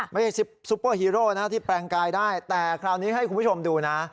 ซุปเปอร์ฮีโร่นะที่แปลงกายได้แต่คราวนี้ให้คุณผู้ชมดูนะ